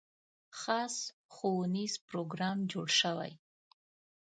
خاص ښوونیز پروګرام جوړ شوی.